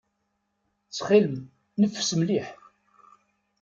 Ttxil-m, neffes mliḥ.